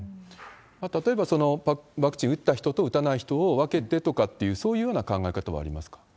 例えば、ワクチン打った人と打たない人を分けてとかっていう、そういうような考え方はありますか？